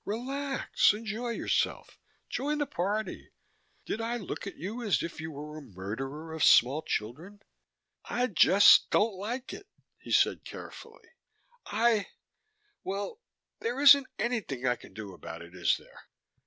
"Relax. Enjoy yourself. Join the party. Did I look at you as if you were a murderer of small children?" "I just don't like it," he said carefully. "I well, there isn't anything I can do about it, is there?"